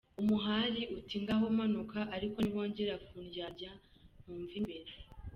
” Umuhali uti “Ngaho manuka, ariko niwongera kundyarya ntumva imbere.”